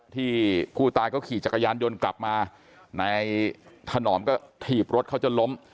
ที่ผู้ตายเขาขี่จักรยานยนต์กลับมานายถนอมก็ถีบรถเขาจนล้ม